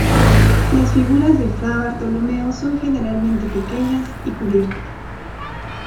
Las figuras de Fra Bartolomeo son generalmente pequeñas y cubiertas.